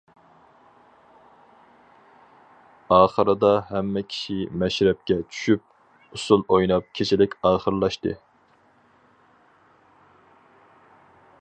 ئاخىرىدا، ھەممە كىشى مەشرەپكە چۈشۈپ، ئۇسۇل ئويناپ كېچىلىك ئاخىرلاشتى.